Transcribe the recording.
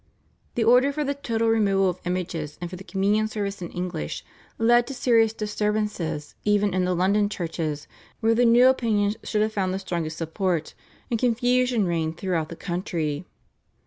The order for the total removal of images and for the Communion service in English led to serious disturbances even in the London churches, where the new opinions should have found the strongest support, and confusion reigned throughout the country.